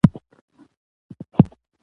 يونليک کې ځاى په ځاى کړي د بېلګې په توګه: